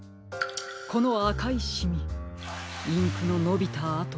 このあかいシミインクののびたあと。